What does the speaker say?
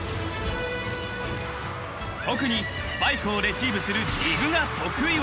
［特にスパイクをレシーブするディグが得意技］